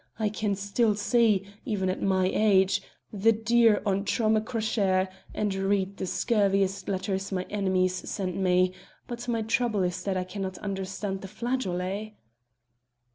I can still see even at my age the deer on Tom a chrochair, and read the scurviest letters my enemies send me, but my trouble is that I cannot understand the flageolet."